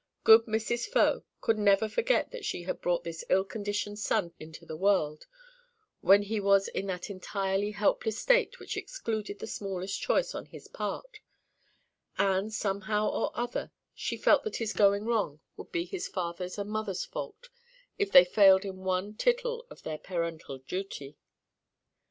Good Mrs. Faux could never forget that she had brought this ill conditioned son into the world when he was in that entirely helpless state which excluded the smallest choice on his part; and, somehow or other, she felt that his going wrong would be his father's and mother's fault, if they failed in one tittle of their parental duty.